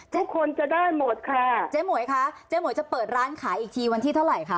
คนจะได้หมดค่ะเจ๊หมวยคะเจ๊หวยจะเปิดร้านขายอีกทีวันที่เท่าไหร่คะ